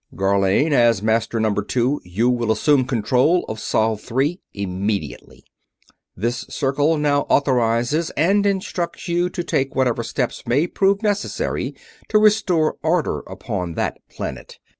"Gharlane, as Master Number Two, you will assume control of Sol III immediately. This Circle now authorizes and instructs you to take whatever steps may prove necessary to restore order upon that planet.